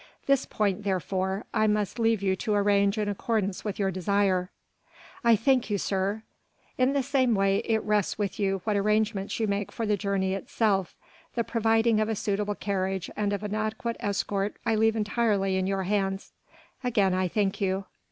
This point, therefore, I must leave you to arrange in accordance with your desire." "I thank you, sir." "In the same way it rests with you what arrangements you make for the journey itself; the providing of a suitable carriage and of an adequate escort I leave entirely in your hands." "Again I thank you."